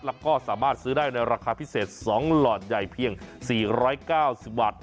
แล้วก็สามารถซื้อได้ในราคาพิเศษ๒หลอดใหญ่เพียง๔๙๐บาท